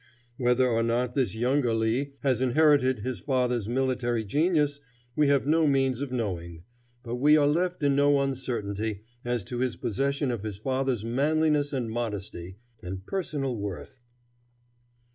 Whether or not this younger Lee has inherited his father's military genius we have no means of knowing, but we are left in no uncertainty as to his possession of his father's manliness and modesty, and personal worth.